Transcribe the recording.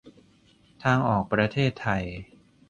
ทางออกประเทศไทย